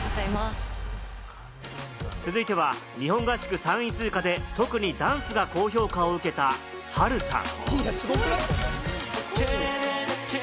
続いては日本合宿３位通過で特にダンスが高評価を受けたハルさん。